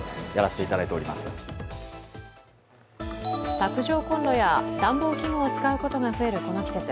卓上コンロや暖房器具を使うことが増えるこの季節。